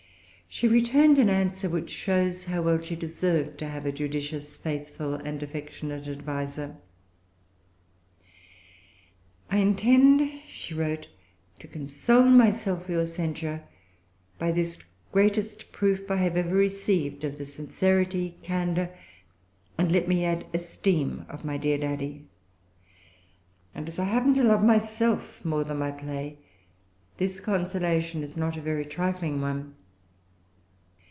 She returned an answer, which shows how well she deserved to have a judicious, faithful, and affectionate adviser. "I intend," she wrote, "to[Pg 354] console myself for your censure by this greatest proof I have ever received of the sincerity, candor, and, let me add, esteem, of my dear daddy. And as I happen to love myself more than my play, this consolation is not a very trifling one.